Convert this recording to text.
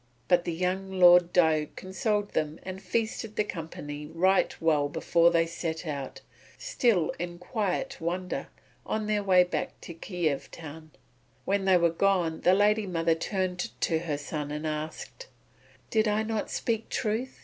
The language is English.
But the young Lord Diuk consoled them and feasted the company right well before they set out, still in quiet wonder, on their way back to Kiev town. When they were gone the lady mother turned to her son and asked: "Did I not speak truth?